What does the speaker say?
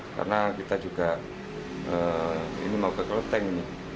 karena kita juga ini mau ke keleteng